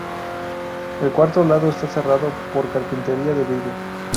El cuarto lado está cerrado por carpintería de vidrio.